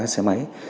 ba xe máy